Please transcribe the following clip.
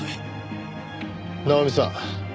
直美さん。